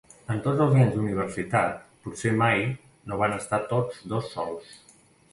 En tots els anys d'universitat potser mai no van estar tots dos sols.